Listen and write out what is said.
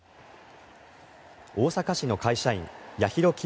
大阪市の会社員、八尋清